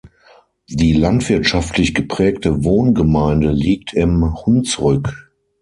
Die landwirtschaftlich geprägte Wohngemeinde liegt im Hunsrück.